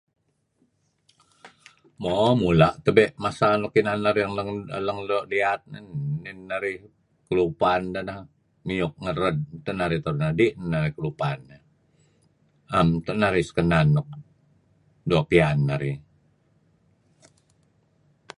Mo mula' tebe' masa luk inan narih lang doo' liyat nih neh narih kelupan deh piyuk ngered narih kadi' neh narih kelupan eh. Am neto' narih doo' sekenan enun nuk doo' piyan narih.